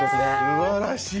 すばらしい！